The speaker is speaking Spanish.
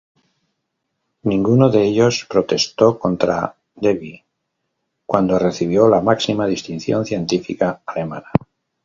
Ninguno de ellos protestó contra Debye cuando recibió la máxima distinción científica alemana.